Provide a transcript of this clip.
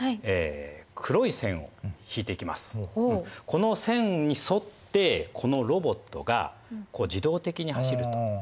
この線に沿ってこのロボットが自動的に走ると。